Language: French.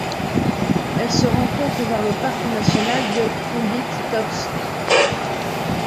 Elle se rencontre vers le parc national de Kroombit Tops.